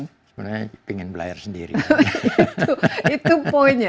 sebenarnya ingin berlayar sendiri